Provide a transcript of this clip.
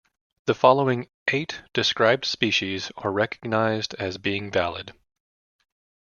The following eight described species are recognized as being valid.